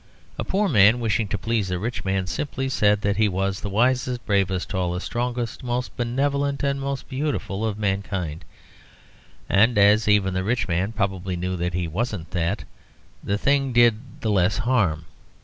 A poor man wishing to please a rich man simply said that he was the wisest, bravest, tallest, strongest, most benevolent and most beautiful of mankind; and as even the rich man probably knew that he wasn't that, the thing did the less harm.